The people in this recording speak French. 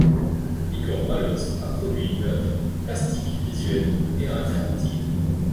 Igor Baloste a produit une œuvre plastique visuelle et interactive.